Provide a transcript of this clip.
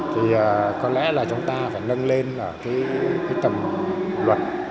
thì có lẽ là chúng ta phải nâng lên tầm luật